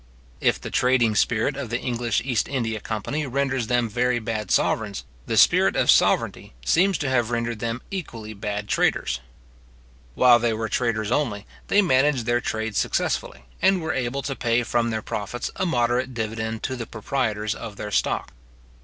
If the trading spirit of the English East India company renders them very bad sovereigns, the spirit of sovereignty seems to have rendered them equally bad traders. While they were traders only, they managed their trade successfully, and were able to pay from their profits a moderate dividend to the proprietors of their stock.